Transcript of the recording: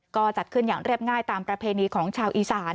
ก็จัดขึ้นอย่างเรียบง่ายตามประเพณีของชาวอีสาน